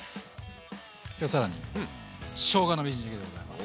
今日更にしょうがのみじん切りでございます。